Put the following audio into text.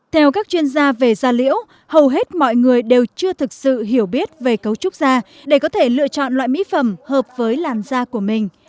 theo các chuyên gia về da liễu hầu hết mọi người đều chưa thực sự hiểu biết về cấu trúc da để có thể lựa chọn loại mỹ phẩm hợp với làn da của mình